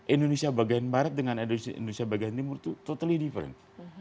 indonesia bagian barat dengan indonesia bagian timur itu totally different